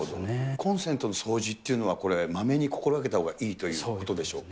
コンセントの掃除というのは、まめに心がけたほうがいいということでしょうか。